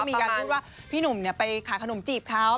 มีการพูดว่าพี่หนุ่มไปขายขนมจีบเขา